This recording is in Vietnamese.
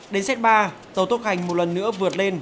đến set ba tàu tốc hành một lần nữa vượt lên